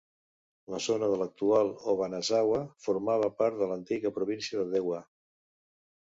La zona de l'actual Obanazawa formava part de l'antiga província de Dewa.